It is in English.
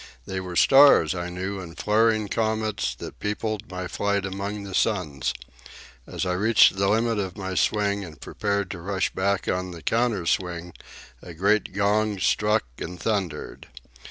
They were stars, I knew, and flaring comets, that peopled my flight among the suns. As I reached the limit of my swing and prepared to rush back on the counter swing, a great gong struck and thundered.